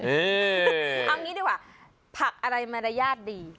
เอางี้ดีกว่าผักอะไรมารยาทดี